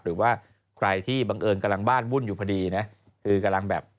หรือว่าใครที่บังเอิญกำลังบ้านวุ่นอยู่พอดีนะคือกำลังแบบ